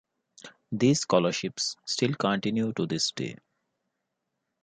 These scholarships still continue to this day.